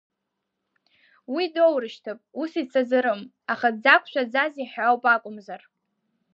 Уи доурышьҭып, ус ицаӡарым, аха дзақәшәаӡазеи ҳәа ауп акәымзар…